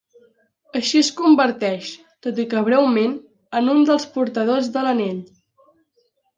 Així es converteix, tot i que breument, en un dels portadors de l'Anell.